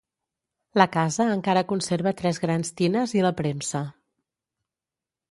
La casa encara conserva tres grans tines i la premsa.